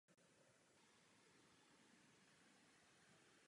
V podvěží je valená klenba s lunetami.